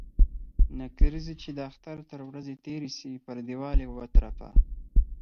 نکريزي چې د اختر تر ورځي تيري سي ، پر ديوال يې و ترپه.